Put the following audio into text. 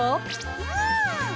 うん！